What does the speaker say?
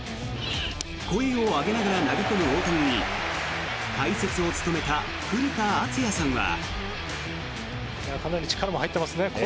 声を上げながら投げ込む大谷に解説を務めた古田敦也さんは。